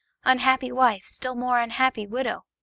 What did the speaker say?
Unhappy wife, still more unhappy widow!